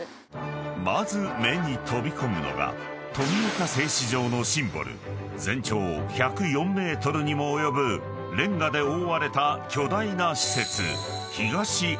［まず目に飛び込むのが富岡製糸場のシンボル全長１０４ｍにも及ぶレンガで覆われた巨大な施設］